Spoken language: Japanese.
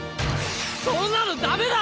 そんなのダメだ！